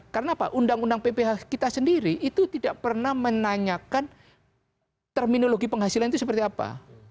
karena apa undang undang pph kita sendiri itu tidak pernah menanyakan terminologi penghasilan itu seperti apa